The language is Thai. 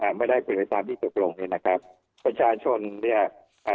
ไม่ได้เป็นไปตามที่ตกลงเนี้ยนะครับประชาชนเนี้ยอ่า